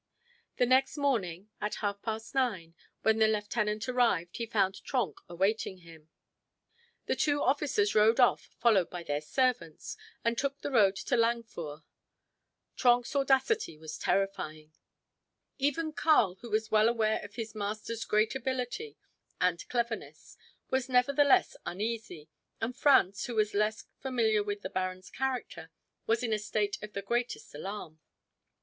The next morning, at half past nine, when the lieutenant arrived, he found Trenck awaiting him. The two officers rode off, followed by their servants, and took the road to Langführ. Trenck's audacity was terrifying. Even Karl, who was well aware of his master's great ability and cleverness, was nevertheless uneasy, and Franz, who was less familiar with the baron's character, was in a state of the greatest alarm.